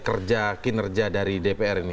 kerja kinerja dari dpr ini